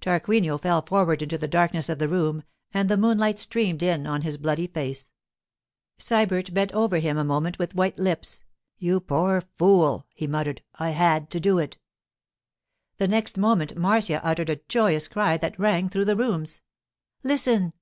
Tarquinio fell forward into the darkness of the room, and the moonlight streamed in on his bloody face. Sybert bent over him a moment with white lips. 'You poor fool!' he muttered. 'I had to do it.' The next moment Marcia uttered a joyous cry that rang through the rooms. 'Listen!